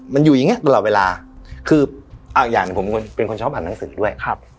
มันอยู่อย่างนี้ตลอดเวลาคืออักอย่างผมเป็นคนชอบอ่านหนังสือด้วย